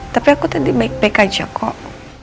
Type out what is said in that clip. tapi aku tadi baik baik aja kok